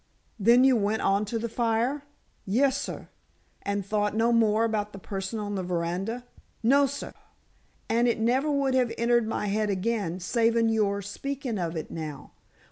"Then you went on to the fire?" "Yes, sor." "And thought no more about the person on the veranda?" "No, sor. And it niver wud have entered me head again, savin' your speakin' of it now.